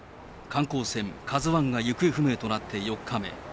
観光船カズワンが行方不明となって４日目。